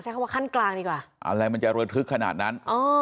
คำว่าขั้นกลางดีกว่าอะไรมันจะระทึกขนาดนั้นอ๋อ